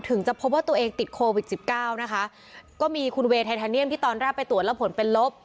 ถึงจะพบว่าตัวเองติดโควิดสิบเก้านะคะก็มีคุณเวย์ไททาเนียมที่ตอนแรกไปตรวจแล้วผลเป็นลบ